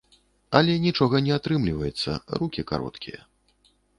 Але нічога не атрымліваецца, рукі кароткія.